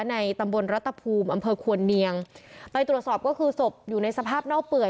ในตำบลรัฐภูมิอำเภอควรเนียงไปตรวจสอบก็คือศพอยู่ในสภาพเน่าเปื่อย